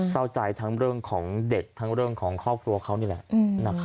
เศร้าใจทั้งเรื่องของเด็กทั้งเรื่องของครอบครัวเขานี่แหละ